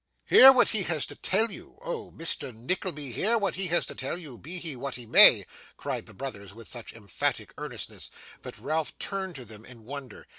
'Hear what he has to tell you. Oh, Mr. Nickleby, hear what he has to tell you, be he what he may!' cried the brothers, with such emphatic earnestness, that Ralph turned to them in wonder.